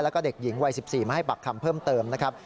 แล้วก็เด็กหญิงวัย๑๔มาให้ปากคำเพิ่มเติมนะครับ